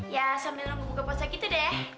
ya sambil nunggu buka puasa gitu deh